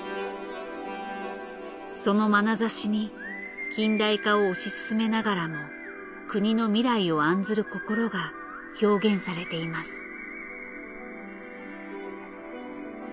その眼差しに近代化を推し進めながらも国の未来を案ずる心が表現されています。